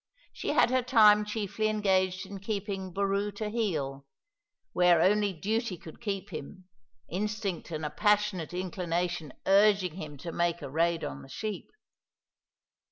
She had her time chiefly engaged in keeping Boroo to heel, where only duty could keep him, instinct and a passionate inclination urging him to make a raid on the sheep.